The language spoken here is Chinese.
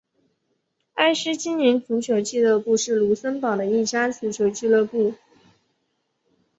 埃施青年足球俱乐部是卢森堡的一家足球俱乐部。